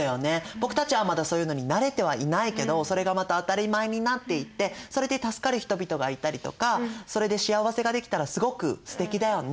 僕たちはまだそういうのに慣れてはいないけどそれがまた当たり前になっていってそれで助かる人々がいたりとかそれで幸せができたらすごくすてきだよね。